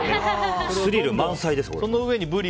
スリル満載です。